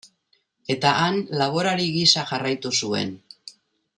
Eta han laborari gisa jarraitu zuen.